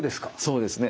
そうですね。